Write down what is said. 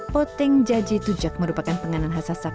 poteng jajetujak merupakan penganan khas sasak